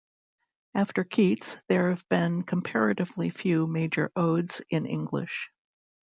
After Keats, there have been comparatively few major odes in English.